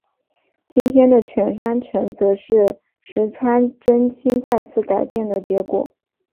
今日的犬山城则是石川贞清再次改建的结果。